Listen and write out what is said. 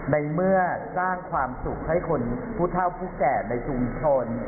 ในเมื่อสร้างความสุขให้คนผู้เท่าผู้แก่ในชุมชน